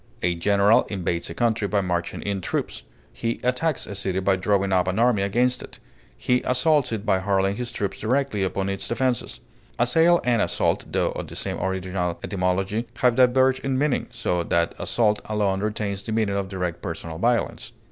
A general invades a country by marching in troops; he attacks a city by drawing up an army against it; he assaults it by hurling his troops directly upon its defenses. Assail and assault, tho of the same original etymology, have diverged in meaning, so that assault alone retains the meaning of direct personal violence.